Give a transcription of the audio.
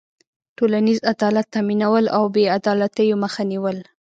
ټولنیز عدالت تأمینول او بېعدالتيو مخه نېول.